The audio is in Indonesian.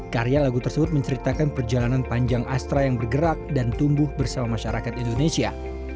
karya lagu tersebut menceritakan perjalanan panjang astra yang bergerak dan tumbuh bersama masyarakat indonesia